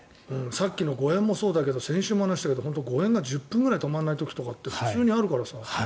さっきの誤嚥とかもそうだけど先週も話したけど誤嚥が１０分ぐらい止まらない時って普通にあるから。